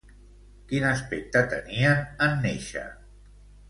Quin aspecte tenien en néixer?